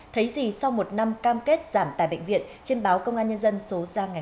thấy gì sau một năm cam kết giảm tài bệnh viện trên báo công an nhân dân số ra ngày hôm nay